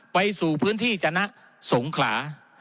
ไปสู่พื้นที่จนะสงขลา